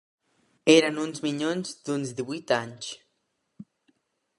Eren uns minyons d'uns divuit anys